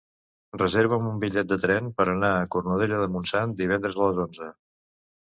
Reserva'm un bitllet de tren per anar a Cornudella de Montsant divendres a les onze.